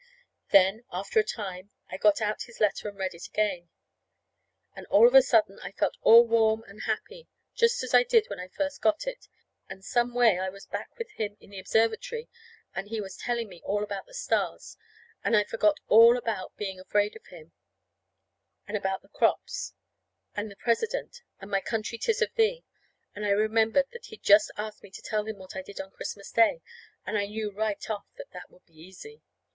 Then, after a time, I got out his letter and read it again. And all of a sudden I felt all warm and happy, just as I did when I first got it; and some way I was back with him in the observatory and he was telling me all about the stars. And I forgot all about being afraid of him, and about the crops and the President and my country 'tis of thee. And I just remembered that he'd asked me to tell him what I did on Christmas Day; and I knew right off that that would be easy.